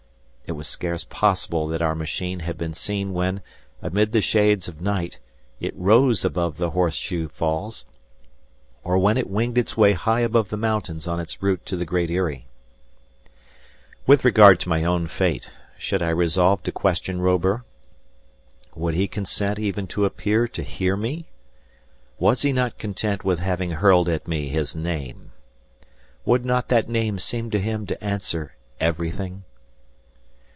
It was scarce possible that our machine had been seen when, amid the shades of night, it rose above the Horseshoe Falls, or when it winged its way high above the mountains on its route to the Great Eyrie. With regard to my own fate, should I resolve to question Robur? Would he consent even to appear to hear me? Was he not content with having hurled at me his name? Would not that name seem to him to answer everything?